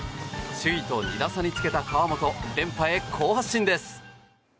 首位と２打差につけた河本２連覇に向け好発進です。